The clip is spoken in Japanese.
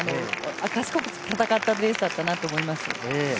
賢く戦ったレースだったなと思います